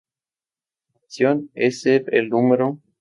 Su ambición es ser el No.